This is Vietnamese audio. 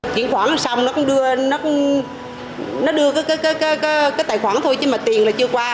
chuyển khoản xong nó đưa cái tài khoản thôi chứ mà tiền là chưa qua